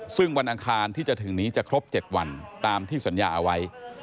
ซึ่งวันอังคารที่จะถึงนี้จะครบ๗วันตามที่สัญญาเอาไว้